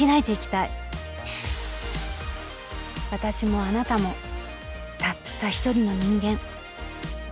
私もあなたもたった一人の人間。